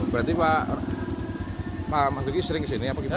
berarti pak pak maguqi sering kesini apa gimana